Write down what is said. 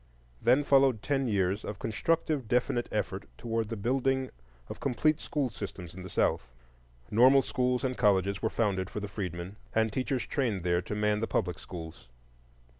Then followed ten years of constructive definite effort toward the building of complete school systems in the South. Normal schools and colleges were founded for the freedmen, and teachers trained there to man the public schools.